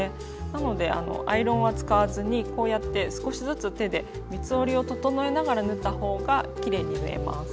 なのでアイロンは使わずにこうやって少しずつ手で三つ折りを整えながら縫った方がきれいに縫えます。